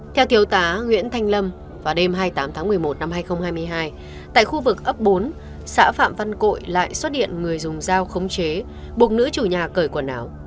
theo thiếu tá nguyễn thanh lâm vào đêm hai mươi tám tháng một mươi một năm hai nghìn hai mươi hai tại khu vực ấp bốn xã phạm văn cội lại xuất hiện người dùng dao khống chế buộc nữ chủ nhà cởi quần áo